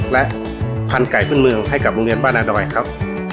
และพันธุ์ไก่พื้นเมืองให้กับโรงเรียนบ้านนาดอยครับ